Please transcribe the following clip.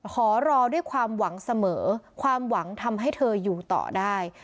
ขอรอด้วยความหวังเสมอความหวังทำให้เธออยู่ต่อได้